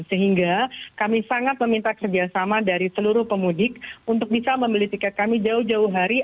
sehingga kami sangat meminta kerjasama dari seluruh pemudik untuk bisa membeli tiket kami jauh jauh hari